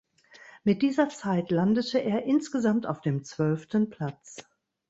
Mit dieser Zeit landete er insgesamt auf dem zwölften Platz.